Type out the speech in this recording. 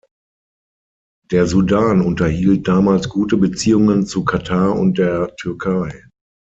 Der Sudan unterhielt damals gute Beziehungen zu Katar und der Türkei.